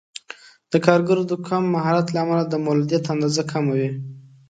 د کارګرو د کم مهارت له امله د مولدیت اندازه کمه وي.